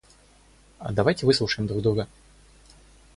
Давайте выслушаем друг друга.